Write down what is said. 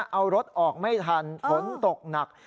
เอารถออกไม่ทันฝนตกหนัก